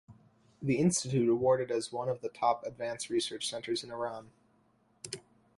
The Institute awarded as one of the top advanced research centers in Iran.